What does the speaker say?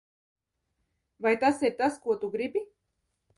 Vai tas ir tas, ko tu gribi?